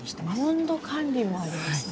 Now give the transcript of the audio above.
温度管理もあるんですね。